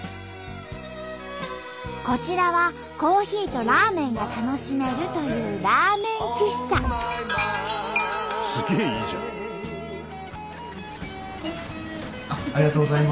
こちらはコーヒーとラーメンが楽しめるというはい。